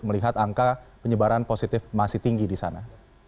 melihat angka penyebaran positif masih tinggi di sana